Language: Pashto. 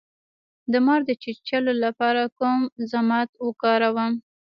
د مار د چیچلو لپاره کوم ضماد وکاروم؟